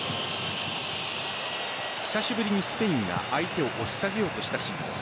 久しぶりにスペインが相手を押し下げようとしたシーンです。